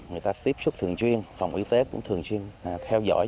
người ta tiếp xúc thường chuyên phòng y tế cũng thường xuyên theo dõi